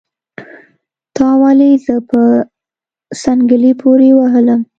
تا ولې زه په څنګلي پوري وهلم